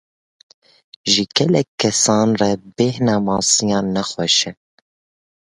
Ji gelek kesan re, bêhna masiyan ne xweş e.